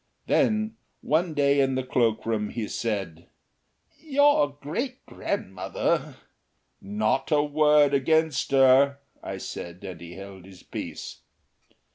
Then one day in the cloakroom he said, "Your great grandmother " "Not a word against her," I said; and he held his peace.